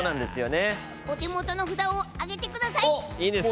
お手元の札を上げてください。